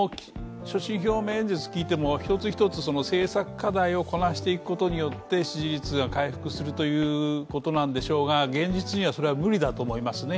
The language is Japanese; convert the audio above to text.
所信表明演説を聞いても一つ一つ政策課題をこなしていくことによって支持率が回復するんでしょうが現実にはそれは無理だと思いますね